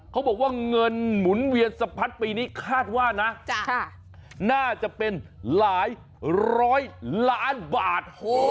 เขาบอกว่าเงินหมุนเวียนสะพัดปีนี้คาดว่านะน่าจะเป็นหลายร้อยล้านบาท